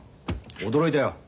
驚いたよ。